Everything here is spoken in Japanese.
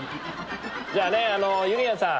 じゃあねゆりやんさん。